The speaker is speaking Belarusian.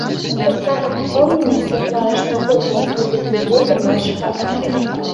Гэта самаўпэўненасць, якая штогод падводзіць любога нашага артыста.